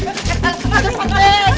eh ada api